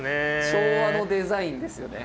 昭和のデザインですよね。